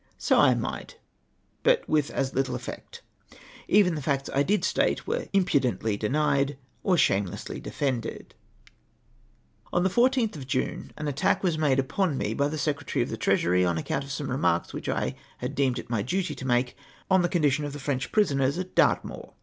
So I might, but with as little effect. Even the facts I did state were impudently denied or shame lessly defended. On the 14th of June an attack w^as made upon me by the Secretary of the Treasury, on account of some remarks which I had deemed it my duty to make on the condition of the French prisoners at Dartmoor.